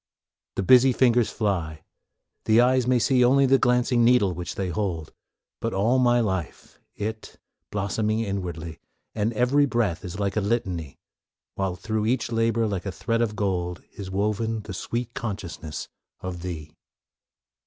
The busy fingers fly, the eyes may see Only the glancing needle which they hold, But all my life it, blossoming inwardly, And every breath is like a litany, While through each labor, like a thread of gold, Is woven the sweet consciousness of Thee.